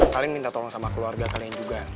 kalian minta tolong sama keluarga kalian juga